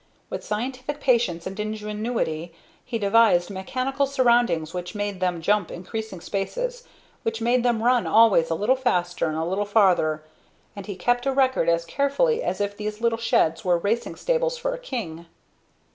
With scientific patience and ingenuity, he devised mechanical surroundings which made them jump increasing spaces, which made them run always a little faster and a little farther; and he kept a record as carefully as if these little sheds were racing stables for a king.